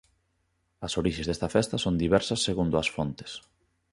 As orixes desta festa son diversas segundo as fontes.